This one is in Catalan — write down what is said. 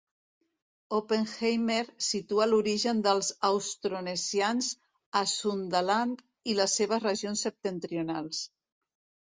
Oppenheimer situa l'origen dels austronesians a Sundaland i les seves regions septentrionals.